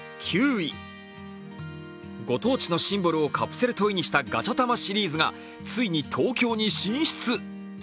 御当地のシンボルをカプセルトイにしたガチャタマシリーズがついに東京に進出。